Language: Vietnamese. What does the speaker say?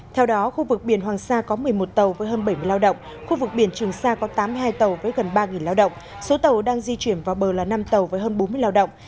theo đó khu vực biển hoàng sa có một mươi một tàu với hơn bảy mươi lao động khu vực biển trường sa có tám mươi hai tàu với gần ba lao động số tàu đang di chuyển vào bờ là năm tàu với hơn bốn mươi lao động